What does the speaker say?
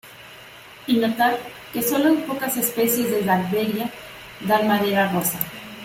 Y notar que solo pocas especies de "Dalbergia" dan madera rosa.